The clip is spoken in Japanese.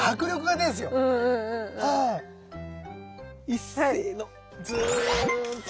いっせのずううんっと！